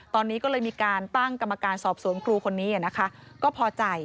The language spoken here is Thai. ตอนนี้ก็เลยมีการตั้งกรรมการสอบสวนครูคนนี้นะคะก็พอใจ